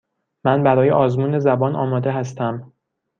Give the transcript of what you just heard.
من برای آزمون زبان آماده هستم.